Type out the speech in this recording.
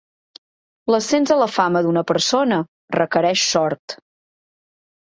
L'ascens a la fama d'una persona requereix sort.